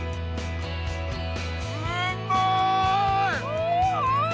うまい！